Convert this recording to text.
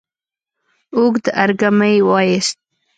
اوږد ارږمی يې وايست،